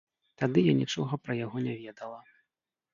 Тады я нічога пра яго не ведала.